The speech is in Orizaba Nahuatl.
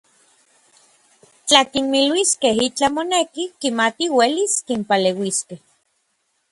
Tla kinmiluiskej itlaj moneki, kimatij uelis kinpaleuiskej.